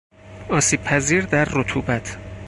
آسیب پذیر در رطوبت